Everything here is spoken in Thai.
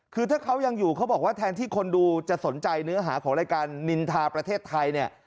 คือถ้าเขายังอยู่เขาบอกว่าแทนที่คนดูจะสนใจเนื้อหาของรายการนินทาประเทศไทยเนี่ย